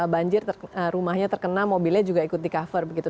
banjir rumahnya terkena mobilnya juga ikut di cover begitu